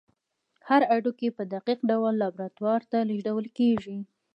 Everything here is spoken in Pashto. هر هډوکی په دقیق ډول لابراتوار ته لیږدول کېږي.